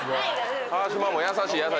川島は優しい。